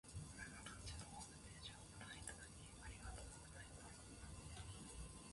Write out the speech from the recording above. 室蘭市のホームページをご覧いただき、ありがとうございます。